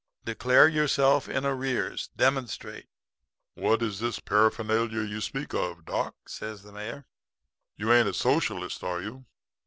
Declare yourself in arrears. Demonstrate.' "'What is this paraphernalia you speak of, Doc?' says the Mayor. 'You ain't a Socialist, are you?'